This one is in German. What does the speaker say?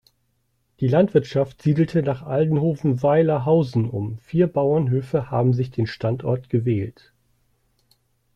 Die Landwirtschaft siedelte nach Aldenhoven-Weiler Hausen um, vier Bauernhöfe haben sich den Standort gewählt.